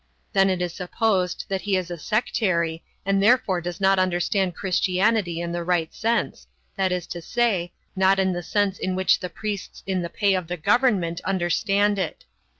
Then it is supposed that he is a sectary and therefore does not understand Christianity in the right sense, that is to say, not in the sense in which the priests in the pay of the government understand it.